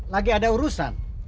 lagi ada urusan